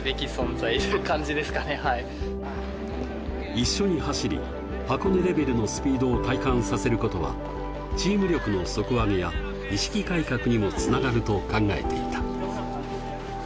一緒に走り、箱根レベルのスピードを体感させることは、チーム力の底上げや、意識改革にも繋がると考えていた。